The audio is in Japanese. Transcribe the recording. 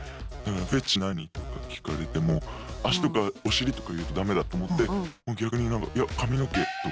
「フェチ何？」とか聞かれても足とかお尻とか言うとダメだと思って逆になんかいや髪の毛とか。